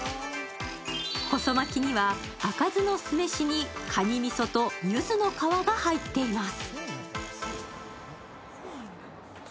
細巻きには赤酢の酢飯にカニみそとゆずの皮が入っています。